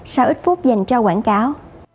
sau ít phút dành cho quảng cáo